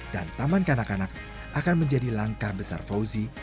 dan taman kanak kanak akan menjadi langkah besar fauzi